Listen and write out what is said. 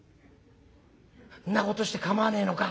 「んなことして構わねえのか？」。